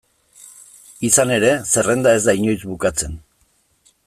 Izan ere, zerrenda ez da inoiz bukatzen.